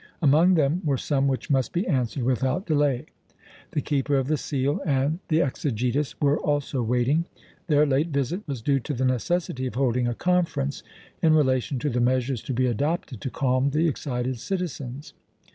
Among them were some which must be answered without delay. The Keeper of the Seal and the Exegetus were also waiting. Their late visit was due to the necessity of holding a conference in relation to the measures to be adopted to calm the excited citizens.